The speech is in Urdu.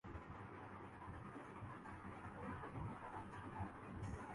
بلکہ محبت تھی